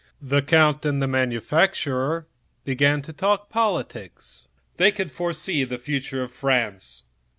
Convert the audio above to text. The count and the manufacturer began to talk politics. They forecast the future of France.